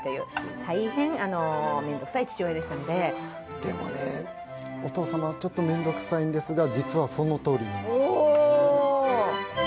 でもね、お父様、ちょっとめんどくさいんですが、実はそのとおりなんですね。